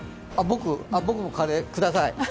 僕もカレー、ください。